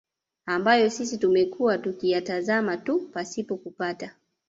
ambayo sisi tumekuwa tukiyatazama tu pasipo kupata